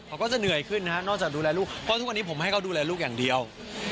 เขาก็จะเหนื่อยขึ้นนะฮะนอกจากดูแลลูกเพราะทุกวันนี้ผมให้เขาดูแลลูกอย่างเดียว